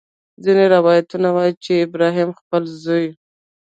ځینې روایتونه وایي چې ابراهیم خپل زوی.